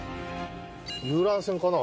遊覧船かな？